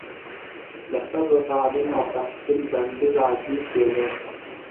د ښځو تعلیم او تحصیل بندیز عادي کیدل